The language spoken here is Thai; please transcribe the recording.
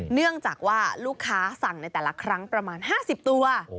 เนื่องจากว่าลูกค้าสั่งในแต่ละครั้งประมาณ๕๐ตัว